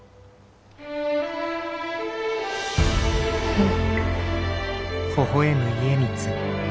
うん。